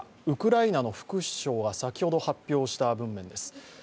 ウクライナの副首相が先ほど発表した文面です。